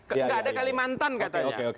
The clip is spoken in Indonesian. enggak ada kalimantan katanya